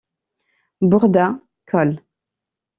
Bordas, coll.